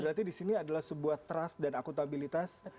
berarti di sini adalah sebuah trust dan akuntabilitas